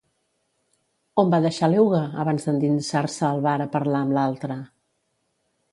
On va deixar l'euga abans d'endinsar-se al bar a parlar amb l'altre?